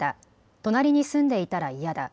隣に住んでいたら嫌だ。